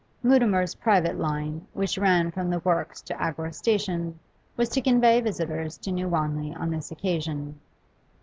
Mutimer's private line, which ran from the works to Agworth station, was to convey visitors to New Wanley on this occasion.